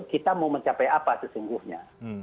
kita mau mencapai apa sesungguhnya